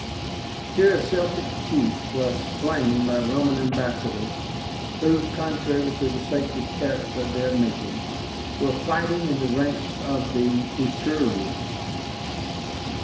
Here a Celtic chief was slain by Roman ambassadors, who, contrary to the sacred character of their mission, were fighting in the ranks of the Etrurians.